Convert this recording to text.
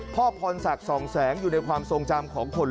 และก็มีการกินยาละลายริ่มเลือดแล้วก็ยาละลายขายมันมาเลยตลอดครับ